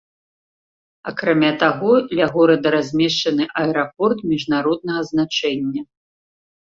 Акрамя таго, ля горада размешчаны аэрапорт міжнароднага значэння.